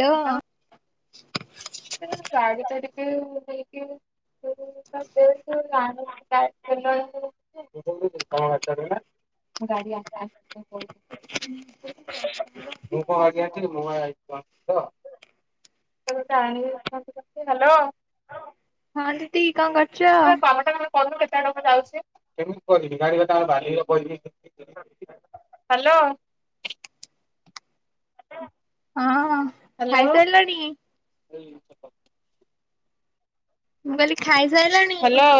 ଲୋ। ଆଛା। ହ। [unintelligible] [inaudible] ମୁଁ କଣ ଆଜ୍ଞାୁ ହଁ କେତ ଦିଦି କଣ କରୁଛ? ଟଙ୍କା ଯାଉ। ିବି ଗାଡିଟା ବାଲିରେ କହିହିବି। ହ୍ୟାଲୋ। ହଁ। ଖାଇସାରିଲାଣି? ଏ ମୁଁ କହିଲଲି ଖାଇ ଯାଇଲାଣି। ହ୍ୟାଲୋ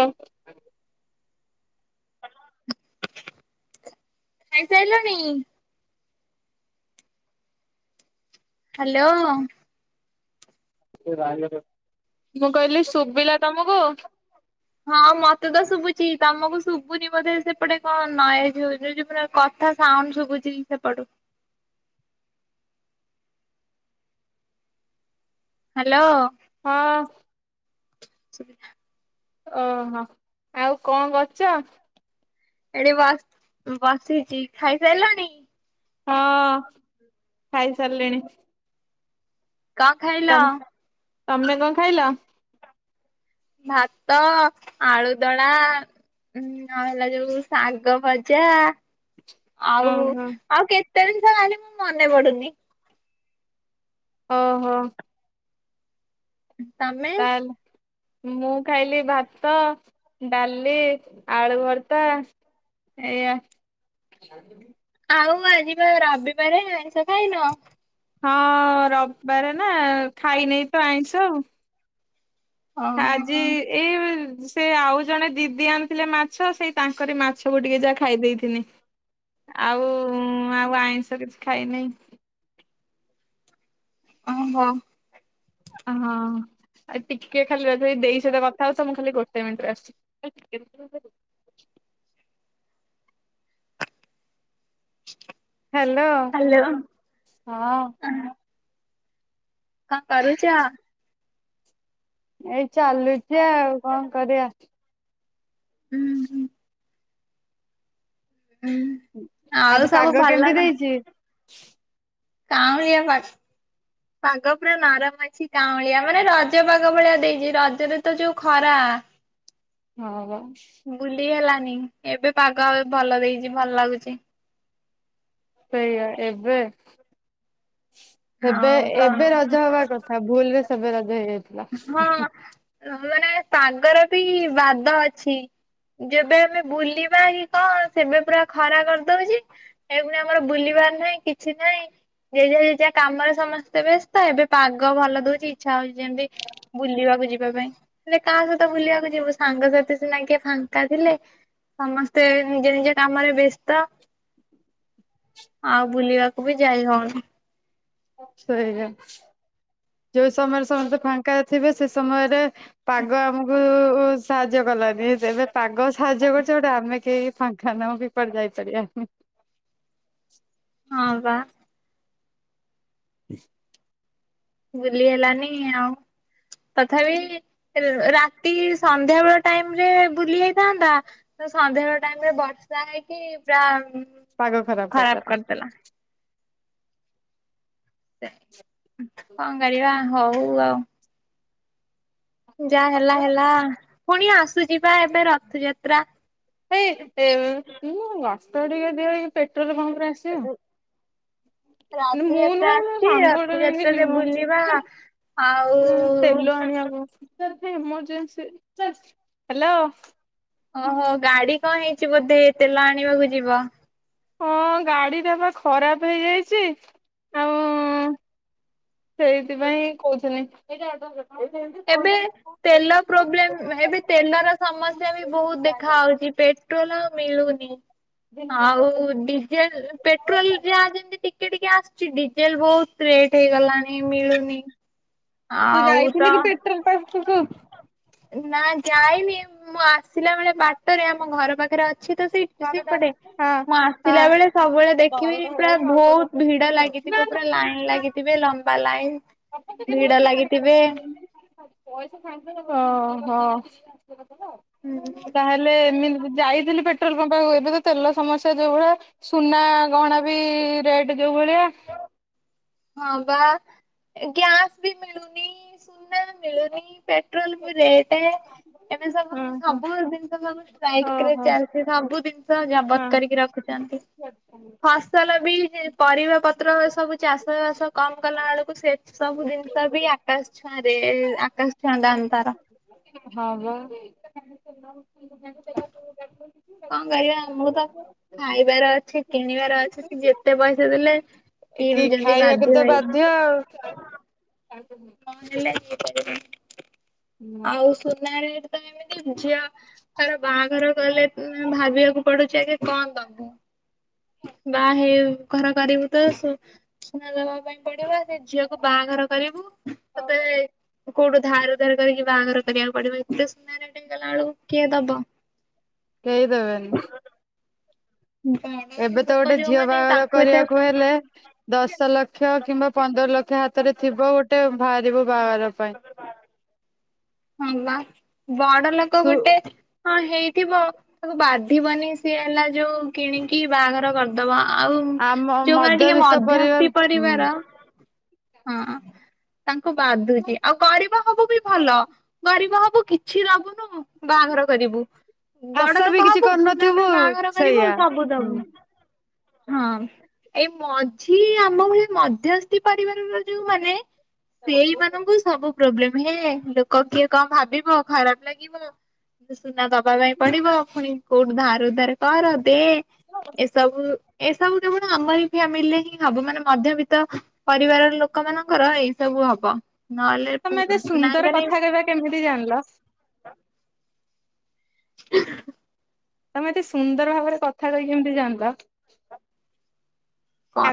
ଖାଇସାଇଲଣି। ହ୍ୟାଲୋ। ମୁଁ କହିଲି ଶୁଭିଲା ତମକୁ। ହଁ ମତେ ତ ଶୁଭୁଚି ତମକୁ ଶୁଭୁନି ବୋଧେ ସେପଟେ କଣ ନଏଜ କଥା ସାଉଣ୍ଡ ଶୁଭୁଛି ସେପଟୁ। ହ୍ୟାଲୋ। ହଁ। ସେ ଓହୋ ଆଉ କଣ କରଛ? ଏଠି ବା ବାସିଛି ଖାଇସାରିଲାଣି। ହଁ ଖାଇସାରିଲେଣି। କା ଖାଇଲ। ତମେ କଣ ଖାଇଲ? ଭାତ ଆଳୁଦଳା ଆଉ ହେଲା ଯୋଉ ଶାଗ ଭଜା। ଆଉ ଓହୋ ଆଉ କେତେ ଜିନଷ ହେଲି ମନେ ପଡ଼ୁନି। ହଁ ହଁ। ତମେ? ମୁଁ ଖାଇଲି ଭାତ ଡାଲି ଆଳୁ ଭର୍ତା ଏଇଆ। ଆଉ ଆଜିିବା ରବିବାରେ ଆଇଁଷ ଖାଇନ। ହଁ ରବିବାର ନା ଖାଇ ନେଇେଇ ତ ଆଣିଛ ଆଉ। ଆଜି ଓହୋ ଏଇ ସେ ଆଉ ଜଣେ ଦିଦି ଆଣିଥିଲେ ମାଛ ସେଇ ତାଙ୍କରି ମାଛ ସବୁ ଟିକେ ଯାହା ଖାଇ ଦେଇଥିଲି। ଆଉ ଆଉ ଆଇଁଷ କିଛି ଖାଇନି। ଓ ହୋ। ହ-ହଁ ଆ ଟିକେ ଖାଲି ର ତ ଏଇ ଦେଇ ସହିତ କଥା ହଉଥା ମୁଁ ଖାଲି ଗୋଟେ ମିନିଟରେ ଆସୁଛି। ହ୍ୟାଲୋ ହ୍ୟାଲୋ ହଁ। କଣ କରୁଛ? ଏଇ ଚାଲୁଛି ଆଉ କଣ କରିବା। ହୁଁ ହୁଁ। ହୁଁ ଆଉ ଆଜି ସବୁ ପାଗ ଭଲ କେମିତି ନା? ଦେଇଛି? କାଉଁଳିଆ ପାଗ୍- ପାଗ ପୁରା ନରମ ଅଛି କାଉଁଳିଆ ମାନେ ରଜ ପାଗ ଭଳିଆ ଦେଇଛି ରଜରେ ତ ଯୋଉ ଖରା। ହଉ। ବୁଲିଗଲା। ନି ଏବେ ପାଗ ଭଲ ଦେଇଛି ଭଲ ଲାଗୁଛି। ସେଇଆ ଏବେ। ଏବେ ଆଉ ତ ଏବେ ରଜ ହବା କଥା ଭୁଲ ରେ ସେବେ ରଜ ହେଇଯାଇଥିଲା। ହୁଁ ହୁଁ। ହ ମାନେ ପାଗର ବି ବାଦ ଅଛି। ଯେବେ ଆମେ ବୁଲିବା କି କଣ ସେବେ ପୁରା ଖରା କରିଦଉଛି ଏଇଖୁଣି ଆମର ବୁଲିବାର ନାହିଁ କିଛି ନାହିଁ ଯେ ହେଇଯି କାମରେ ସମସ୍ତେ ବ୍ୟସ୍ତ ଏବେ ପାଗ ଭଲ ଦଉଛି ଇଚ୍ଛା ହଉଛି ଯେମିତି ବୁଲିବାକୁ ଯିବା ପାଇଁ। ହେଲେ କାହା ସହିତ ବୁଲିବାକୁ ଯିବୁ ସାଙ୍ଗସାଥି ସିନା କିଏ ଫାଙ୍କା ଥିଲେ, ସମସ୍ତେ ନିଜ ନିଜ କାମରେ ବ୍ୟସ୍ତ। ଆଉ ବୁଲିବାକୁ ବି ଯାଇ ହଉନି। ସେଇଆ ଯୋଉ ସମୟରେ ସମସ୍ତେ ଫାଙ୍କା ଥିବେ ସେ ସମୟରେ ପାଗ ଆମକୁ ସାହାଯ୍ୟ କଲାନି ଏବେ ପାଗ ସାହାଯ୍ୟ କରୁଛି ଗୋଟେ ଆମେ କେହି ଫାଙ୍କା ନାହୁ କି କୁଆଡେ ଯାଇପାରିବାନି। ହଁ ବା। [inaudible] ବୁଲି ହେଲାନି ଆଉ। ତଥାପି ର୍- ରାତି ସନ୍ଧ୍ୟାବେଳ ଟାଇମ ରେ ବୁଲି ଯାଇଥାନ୍ତା ତ ସନ୍ଧ୍ୟା ବେଳ ଟାଇମ ରେ ବର୍ଷା ହେଇକି ପୁରା ପାଗ ଖରାପ କରିଦେଲା। ସେଇ କଣ କରିବା ହଉ ଆଉ। ଯା ହେଲା ହେଲା। ପୁଣି ଆସୁଚି ବା ଏବେ ରଥଯାତ୍ରା। ଏଇ ଏ ମୁଁ ରାସ୍ତା ଟିକେ ଦିଅ ଏଇ ପେଟ୍ରୋଲ [unintelligible] କିନ୍ତୁ ମୁଁ ରାଥଯାତ୍ରା ନୁହେଁ ମୋ ଆସଛି ସାଙ୍ଗ ଗୋଟେ ଯାଇକି ରଥଯାତ୍ରାରେ ଯିବ। ବୁଲିବା ଆଉ। ତାର ଏମର୍ଜେନ୍ସି ହ୍ୟାଲୋ। ଓହୋ ଗାଡି କଣ ହେଇ କିଛି ବୋଧେ ତେଲ ଆଣିବାକୁ ଯିବ। ହଁ ଗାଡିଟା ବା ଖରାପ୍ ହେଇଯାଇଛି ଆଉ। ସେଇଥିପାଇଁ କହୁଥିଲି। ଏବେ ତେଲ ପ୍ରୋବ୍ଲେମ ଏବେ ତେଲର ସମସ୍ୟା ବି ବହୁତ ଦେଖା ହଉଛି ପେଟ୍ରୋଲ ମିଳୁନି ଆଉ ଡିଜେଲ ପେଟ୍ରୋଲ ଯାହା ଯେମତି ଟିକେ ଟିକେ ଆସୁଛି ଡିଜେଲ ବହୁତ ରେଟ୍ ହେଇଗଲାଣି ମିଳୁନି। ତୁ ଆଉ ତ ଯାଇଥିଲୁ କି ପେଟ୍ରୋଲ ପମ୍ପକୁୁ? ନା ଯାାଇନି ମୁଁ ଆସିଲା ବେଳେ ବାଟରେ ଆମ ଘର ପାଖରେ ଅ ଅଛି ତ ସେଇଠି ସେଇପଟେ ହଁ। ମୁଁ ଆସିଲା ବେଳେ ସବୁବେଳେ ଦେଖିବି ବାରଟା ପୁରା ହେଲାଣି ଆଉ କଣ ବହୁତ ଦରକାର ଭିଡ ସେତିକି ଥାଉ। ଲାଗିଥିବ ପୁରା ଲାଇନ ଲାଗିଥିବେ ଲମ୍ବା ଲାଇନ ଭିଡ ଲାଗିଥିବେ ହଁ ହଁ। ହୁଁ ତାହେଲେ ଏମିତି ଯାଇଥିଲୁ ପେଟ୍ରୋଲ ପମ୍ପା ଏବେ ତ ତେଲ ସମସ୍ୟା ଯୋଉ ଭଳିଆ ସୁନା ଗହଣା ବି ରେଟ୍ ଯୋଉ ଭଳିଆ ହଁ ବା ଗ୍ୟାସ ବି ମିଳୁନି ସୁନା ମିଳୁନି ପେଟ୍ରୋଲ ବି ରେଟ ଏବେ ସବୁ ହଁ ହଁ ସବୁ ଜିନିଷ ସବୁ ଷ୍ଟାଇକ ରେ ଓହୋ ଚାଲିଛିସବୁ ଜିନିଷ ହଁ। ଜବତ କରିକି ରଖୁଛନ୍ତି ଫସଲ ବି ପରିବା ପତ୍ର ସବୁ ଚାଷ ସବୁ କାମ କଲା ବେଳକୁ ସେ ସବୁ ଜିନିଷ ବି ଆକାଶ ଛୁଆଁ ରେ ଆକାଶ ଛୁଆଁ ଦମ ତାର ହଁ ବା। [inaudible] କଣ କହିବା ମୁଁ ତ ଖାଇବାର ଅଛି କିଣିବାର ଅଛି ଯେ କେତେ ପଇସା ଦେଲେ କିଣୁଛନ୍ତି ଖାଇବାକୁ ତ ହେଇକି ବାଧ୍ୟ ଆଉ [unintelligible] ଆଉ ସୁନା ଏମିତି ଝିଅର ବାହାଘର କଲେ ଭାବିବାକୁ ପଡୁଛି ଆଗ କଣ ଦବୁ ବାହା ଘର କରିବୁ ତ ସୁନା ଦବା ପାଇଁ ପଡିବ ସେ ଝିଅକୁ ବାହାଘର କର ତତେ କୋଉଠୁ ଧାର ଉଦାର କରିକି ବାହାଘର କରିବାକୁ ପଡିବ ଏତେ ସୁନା ରେଟ ହେଇଗଲା ବେଳକୁ କିଏ ଦବ କେହି ଦେବେନି। ଏବେ ବଡ ତ ଲୋକ ଗୋଟେ ଝିଅ ଯୋଉମାନେ ବାହାଘର ତାଙ୍କୁ ଏତେ କରିବାକୁ ହେଲେ ଦଶ ଲକ୍ଷ ଦଶ କିମ୍ବା ପନ୍ଦର ଲକ୍ଷ ହାତରେ ଥିବ ଗୋଟେ ବାହାରିବୁ ବାହାଘର ପାଇଁ ହଁ ବା। ବଡ ଲୋକ ସୁ ଗୋଟେ କଣ ହେଇଥିବ ତାକୁ ବାଧିବନି ସିଏ ହେଲା ଯୋଉ କିଣିକି ବାହାଘର କରିଦବ ଆଉ ଆମ ଯୋଉମାନେ ଟିକେ ମଧ୍ୟବିତ୍ତ ପରିବାର ମଧ୍ୟସ୍ତି ପରିବାର ହଁ ତାଙ୍କୁ ବାଧୁଛି ଆଉ କରିବାକୁ ବି ଭଲ ଗରିବ ହବୁ କିଛି ଦବୁନୁ ବାହାଘର କରିବୁ ବଡ ଆଶା ଲୋକ ବି କିଛି ହବୁ ଧୁମଧାମ କରିନଥିବୁ ରେ ବାହାଘର କରିବୁ ସେଇଆ ସବୁ ହୁଁ ଦବୁ। ହଁ ଏଇ ମଝି ଆମ ଭଳି ମଧ୍ୟସ୍ଥି ପରିବାରର ଯୋଉ ମାନେ ସେଇମାନାନଙ୍କୁ ସବୁ ପ୍ରୋବ୍ଲେମ ହେ କିଏ କଣ ଭାବିବ ଖରାପ ଲାଗିବ କି ସୁନା ଦ ପାଇଁ ପଡିବ ପୁଣି କୋଉଠି ଧାନ ଧରେ କର [inaudible] ତେ ଏସବୁ ଏସବୁ କେବଳ ଆମର ଫ୍ୟାମିଲିରେ ହିଁ ହବ ମାନେ ମଧ୍ୟବିତ୍ତ ପରିବାର ଲୋକ ମାନଙ୍କର ଏଇ ସବୁ ହବ। ନହେଲେ ତମେ ଏତେ ନାଇଁ ସୁନ୍ଦର ତ ନାଇଁ। କଥା କହିବା କେମିତି ଜାଣିଲ? ହ [inaudible] ତମେ ଏତେ ସୁନ୍ଦର ଭାବରେ କଥା କହିକି କେମତି ଜାଣିଲ?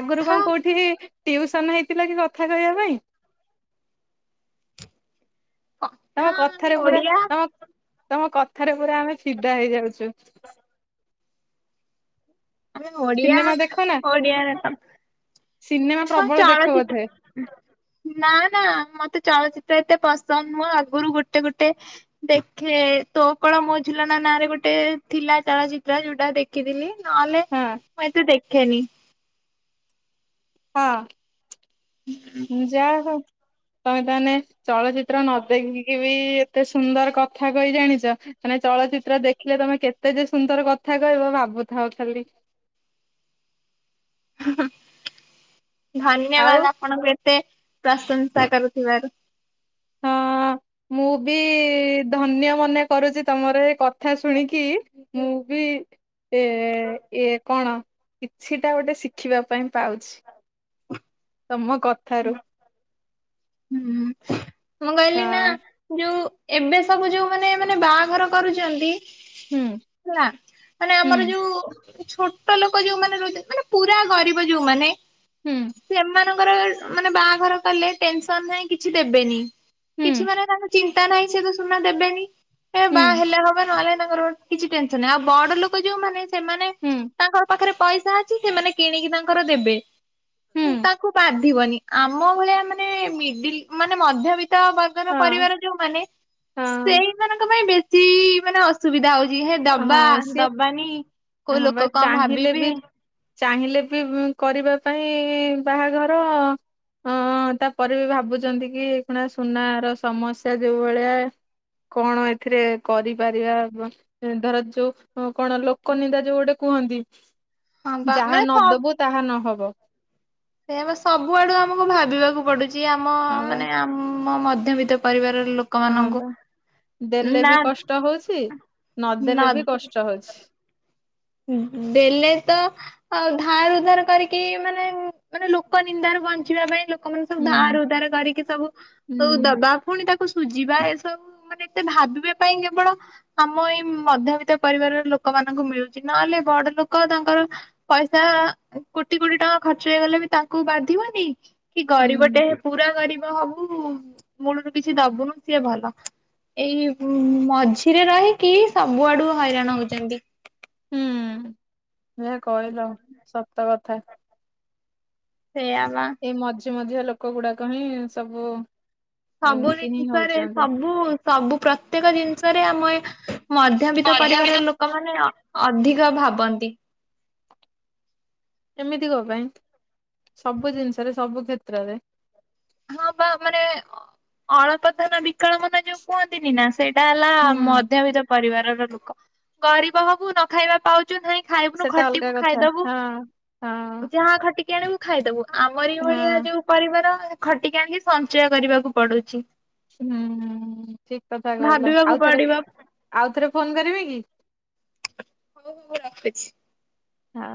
ଆଗରୁ କଣ କୋଉଠି ଟିଉସନ ହେଇଥିଲ କି କଥା କହିବା ପାଇଁ? କଥା ତମ ଆମେ କଥାରେ ପୁରା ଓଡିଆ ତମ ତମ କଥ କଥାରେ ପୁରା ଆମେ ଫିଦା ହେଇଯାଉଛୁ। [inaudible] ଆମେ ଓଡିଆ, ସିନେମା ଦେଖ ନା? ଓଡିଆରେ କ ସିନେମା ହଁ ପ୍ରବଳ ଦେଖ ବୋଧେ ଚଳଚିତ୍ର। ନା ନା ମତେ ଚଳଚିତ୍ ତ ଏତେ ପସନ୍ଦ, ମୁଁ ଆଗରୁ ଗୋଟେ ଗୋଟେ ଦେଖେ। ତୋ କୋଳ ମୋ ଝୁଲନା ନାଁ ରେ ଗୋଟେ ଥିଲା ଚଳଚିତ୍ର। ଯୋଉଟା ଦେଖିଥିଲି। ନହେଲେ, ହଁ ମୁଁ ଏତେ ଦେଖେନି। ହଁ। ମୁଁ ଯାହା ତମେ ତାହେନେ ଚଳଚିତ୍ର ନ ଦେଖିକି ବି ଏତ୍ କେତେ ସୁନ୍ଦର କଥା କହି ଜାଣିଛ। ମାନେ ଚଳଚିତ୍ର ଦେଖିଲେ ତମେ କେତେ ଯେ ସୁନ୍ଦର କଥା କହିବ! ଭାବୁଥାଉ ଖାଲି। ହିଁ ହି। ଆଉ ଧନ୍ୟବାଦ ଆପଣଙ୍କୁ ଏତେ? ପ୍ରଶଂସା କରୁଥିବାରୁ। ହଁ, ମୁଁ ବି ଧନ୍ୟ ମନେ କରୁଛି। ତମର ଏ କଥା ଶୁଣିକି ମୁଁ ବି ଏଇ କଣ କିଛିଟା ଗୋଟେ ଶିଖିବା ପାଇଁ ପାଉଛି। ତମ କଥାରୁ। ହୁଁ [inaudible] ମୁଁ କହିଲି ନା ହଁ ଯୋଉ ଏବେ ସବୁ ଯୋଉ ମାନେ ମାନେ ବାହାଘର କରୁଚନ୍ତି? ହୁଁ ହେଲା ମାନେ ହୁଁ ଆମର ଯୋଉ ଛୋ ଛୋଟ ଲୋକ ଯୋଉଁମାନେ ରହୁଛନ୍, ମାନେ ପୁରା ଗରିବ ଯୋଉଁମାନେ ହୁଁ ସେ ମାନଙ୍କ ଙ୍କର ମାନେ ବାହାଘର କଲେ ଟେନ୍ସ ସନ୍ ନାହିଁ, କିଛି ଦେବେନି। ହୁଁ କିଛି ମାନେ ତାଙ୍କ ଚିନ୍ତା ନାହିଁ ସେ ତ ସୁନା ଦେବେନି। ଏ ହୁଁ ବାହା ହେଲେ ହବ ନହେଲେ ଙ୍କର କିଛି ଟେନସନ ନାଇଁ। ଆଉ ବଡ ଲୋକ ଯୋଉମାନେ ସେମାନେ ହୁଁ ତାଙ୍କର ପାଖରେ ପଇସା ଅଛି, ସେମାନେ କିଣିକି ତାଙ୍କର ଦେବେ। ହୁଁ ତାଙ୍କୁ ବାଧ୍ ଥିବନି। ଆମ ଭଳିଆ ମାନେ ମିଡିଲ ମାନେ ମଧ୍ୟବିତ୍ତ ଟ ବର୍ଗର ହଁ ପରିବାର ଯୋଉମାନେ ହଁ ସେଇମାନଙ୍କ ପାଇଁ ବେଶୀ ଚି ମାନେ ଅସୁବିଧା ହଉ ଜି ହେ ଦବା ହଁ ସିଏ ଦବାନି କୋଉ ହଁ ବା ଲୋକ କଣ ଚାହିଁଲେ ଭାବିବେ। ବି ଚାହିଁଲେ ବି କରିବା ପାଇଁ ବାହାଘର ତାପରେ ବି ଭାବୁଚନ୍ତି କି କଣା ସୁନାର ସମସ୍ୟା ଯୋଉ ଭଳିଆ କଣ ଏଥିରେ କରିପାରିବା। ଧର ଯୋଉ କଣ ଲୋକ ନିିନ୍ଦା ଯୋଉ ଗୋଟେ କୁହନ୍ତି ହଁ ବା ଯାହା ନଦବୁ ତାହା ନହବ। [unintelligible] ସେୟା ବା ସବୁ ଆଡୁ ଆମକୁ ଭାବିବାକୁ ପଡୁଚି। ଯିଏ ଆମ ହଁ ବା ମାନେ ଆ ଆମ ମଧ୍ୟବିତ ପରିବାରର ହଁ ଲୋକମାନଙ୍କୁ ବା ଦେଲେ ବି ନା କଷ୍ଟ ହଉଛି ନଦେଲେ ବି ନ କଷ୍ଟ ହଉଛି। ଦେଲେ ତ ଆ ଧାର ଉଧାର କରିକି ମାନେ ମାନେ ଲୋକ ନିନ୍ଦାରୁ ବଞ୍ଚିବା ପାଇଁ ଲୋକମାନେ ସବୁ ହୁଁ ଧାର ଉଧାର କରିକି ସବୁ ହୁଁ ସବୁ ଦବା ଫୁଣି ତାକୁ ସୁଝିବା ଏସବୁ ମାନେ ଏତେ ଭାବିବା ପାଇଁ କେବଳ ଆମ ଏଇ ମଧ୍ୟବିତ୍ତ ପରିବାରର ଲୋକମାନଙ୍କୁ ମିଳୁ ଚି। ନହେଲେ ବଡ ଲୋକ ତାଙ୍କର ପଇସା କୋଟି କୋଟି ଟଙ୍କା ଖର୍ଚ୍ଚ ହେଇଗଲେ ବି ତାଙ୍କୁ ବାଧିବନି କି ଗରିବଟେ ହୁଁ ପୁରା ଗରିବ ହବୁ ମୂଳରୁ କିଛି ଦବୁନୁ ସିଏ ଭଲ। ଏଇ ମଝିରେ ରହିକି ସବୁ ଆଡୁ ହଇରାଣ ହଉଚନ୍ତି। ହୁଁ। ଯାହା କହିଲ ସତକ ଥା। ସେୟା ବା। ମଝି ମଝିଆ ଲୋକ ଗୁଡାକ ହିଁ ସବୁ ସବୁ ଏମିତି ହିଁ ଜିନିଷରେ ହଉଛନ୍ତି। ସବୁ ସବୁ ପ୍ରତ୍ୟେକ ଜିନିଷରେ ଆମ ଏ ମଧ୍ୟବିତ୍ତ ଅଧାବିତ ପରିବାରର ଲୋକମାନେ ଅଧିକ ଭାବନ୍ତି। ଏମିତି କଣ ପାଇଁ ସବୁ ଜିନିଷରେ ସବୁ କ୍ଷେତ୍ରରେ। ହଁ ପା ମାନେ ଅଳପ ଧନ ବିକଳ ମନ ଯୋଉ କୁହନ୍ତିନି ନା ସେଇ ଇଟା ହେଲା ହୁଁ ମଧ୍ୟବିତ୍ତ ପରିବାରର। ଲୋକ। ଗରିବ ହବୁ ନ ଖାଇବା ପାଉ ଚୁ କାଇଁ ଖାଇବୁନୁ, ସେଟା ଅଲଗା ଖଟିବୁ କଥା। ଖାଇଦବୁ। ହଁ ହଁ ଯାହା ଖଟି ଆଣିବୁ ଖାଇଦବୁ। ଆମରି ହଁ ଭଳିଆ ଯୋଉ ପରିବାର ଖଟିକି ଆଣିକି ସଞ୍ଚୟ କରିବାକୁ ପଡୁଛି। ହୁଁ ହୁଁ ଠିକ କଥା କହିଲ। ଭାବିବାକୁ ଆଉଥରେ ପଡିବ ଆଉ ଥରେ ଫୋନ କରିବି କି? ରଖୁଛି। ହଁ।